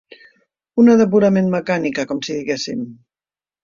Una de purament mecànica, com si diguéssim.